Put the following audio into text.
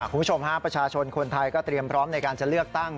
คุณผู้ชมฮะประชาชนคนไทยก็เตรียมพร้อมในการจะเลือกตั้ง